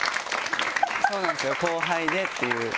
そうなんですよ後輩でっていう。